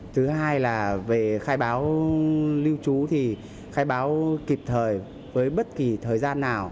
thứ hai là về khai báo lưu trú thì khai báo kịp thời với bất kỳ thời gian nào